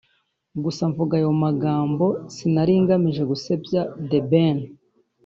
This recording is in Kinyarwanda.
Gusa mvuga ayo magambo sinari ngamije gusebya The Ben